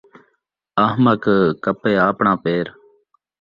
احمق کپے آپݨا پیر